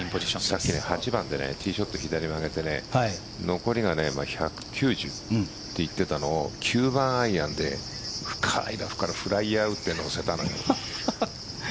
さっき８番でティーショット左に曲げて残りが１９０と言っていたのを９番アイアンで深いラフからフライヤーを打って乗せたのよ。